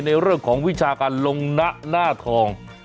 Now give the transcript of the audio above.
ในเรื่องของวิชาการลงนะหน้าทอง